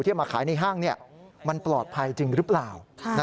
เอามาขายในห้างมันปลอดภัยจริงหรือเปล่า